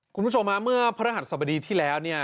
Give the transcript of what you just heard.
คุณผู้ชมฮะเมื่อพระหัสสบดีที่แล้วเนี่ย